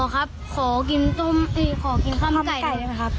ขอกินข้าวมันไก่นะครับ